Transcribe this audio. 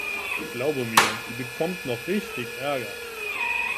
Glaube mir, die bekommt noch richtig Ärger.